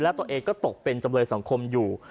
และตัวเองก็ตกเป็นจำเลยสังคมอยู่